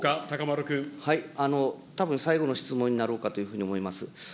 たぶん、最後の質問になろうかというふうに思います。